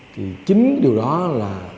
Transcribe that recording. thì chính điều đó là